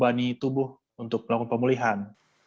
kita tidak membebani tubuh untuk melakukan pemulihan